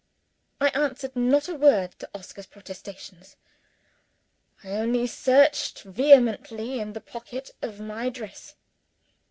I answered not a word to Oscar's protestations I only searched vehemently in the pocket of my dress.